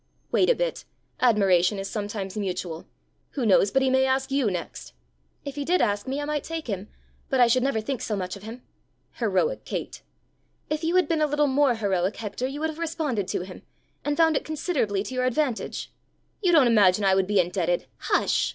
"Wait a bit. Admiration is sometimes mutual: who knows but he may ask you next!" "If he did ask me, I might take him, but I should never think so much of him!" "Heroic Kate!" "If you had been a little more heroic, Hector, you would have responded to him and found it considerably to your advantage." "You don't imagine I would be indebted " "Hush!